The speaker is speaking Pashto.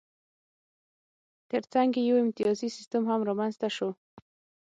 ترڅنګ یې یو امتیازي سیستم هم رامنځته شو